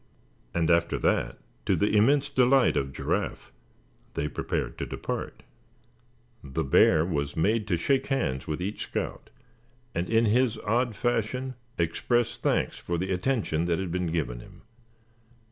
And after that, to the immense delight of Giraffe, they prepared to depart. The bear was made to shake hands with each scout, and in his odd fashion express his thanks for the attention that had been given him.